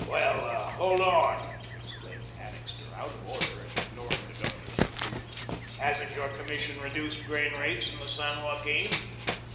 "Well, hold on," exclaimed Annixter, out of order and ignoring the Governor's reproof, "hasn't your commission reduced grain rates in the San Joaquin?"